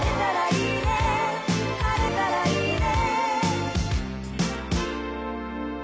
「晴れたらいいね」